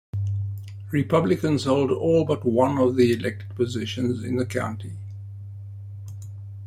Republicans hold all but one of the elected positions in the county.